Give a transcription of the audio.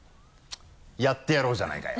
やってやろうじゃないかよ。